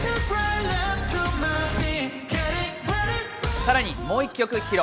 さらに、もう一曲披露。